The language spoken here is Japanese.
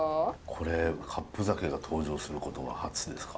カップ酒が登場することは初ですか？